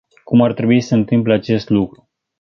Cum ar trebui să se întâmple acest lucru?